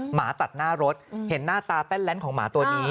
หมาตัดหน้ารถเห็นหน้าตาแป้นของหมาตัวนี้